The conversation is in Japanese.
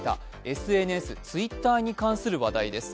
ＳＮＳ、Ｔｗｉｔｔｅｒに関する話題です。